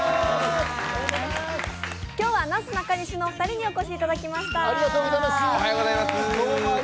今日はなすなかにしのお二人にお越しいただきました。